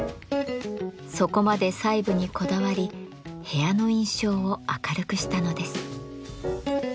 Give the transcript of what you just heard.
そこまで細部にこだわり部屋の印象を明るくしたのです。